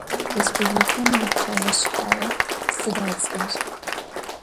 Rêspublikem yikhele şsha'e sıda ıts'er?